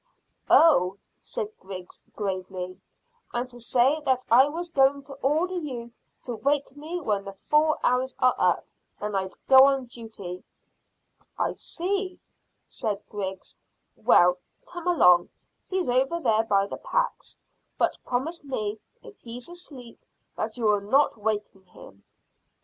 "Oh!" said Griggs gravely. "And to say that I was going to order you to wake me when the four hours are up, and I'd go on duty." "I see," said Griggs. "Well, come along; he's over there by the packs; but promise me if he's asleep that you will not waken him."